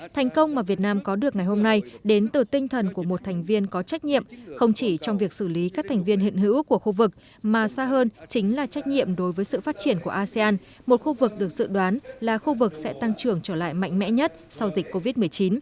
thành công mà việt nam có được ngày hôm nay đến từ tinh thần của một thành viên có trách nhiệm không chỉ trong việc xử lý các thành viên hiện hữu của khu vực mà xa hơn chính là trách nhiệm đối với sự phát triển của asean một khu vực được dự đoán là khu vực sẽ tăng trưởng trở lại mạnh mẽ nhất sau dịch covid một mươi chín